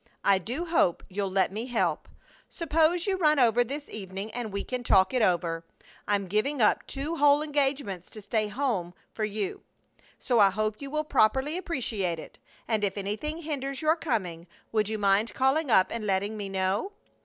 I do hope you'll let me help. Suppose you run over this evening and we can talk it over. I'm giving up two whole engagements to stay at home for you, so I hope you will properly appreciate it, and if anything hinders your coming, would you mind calling up and letting me know?